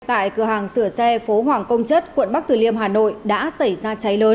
tại cửa hàng sửa xe phố hoàng công chất quận bắc từ liêm hà nội đã xảy ra cháy lớn